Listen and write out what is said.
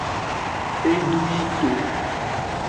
Edu yito.